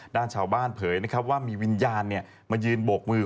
ด้านชาวบ้านเผยนะครับว่ามีวิญญาณมายืนโบกมือ